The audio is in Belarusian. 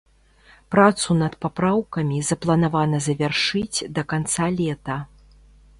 Працу над папраўкамі запланавана завяршыць да канца лета.